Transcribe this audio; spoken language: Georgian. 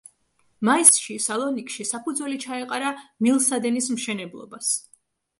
მაისში სალონიკში საფუძველი ჩაეყარა მილსადენის მშენებლობას.